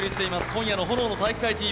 今夜の「炎の体育会ＴＶ」